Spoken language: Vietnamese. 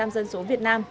bảy mươi ba dân số việt nam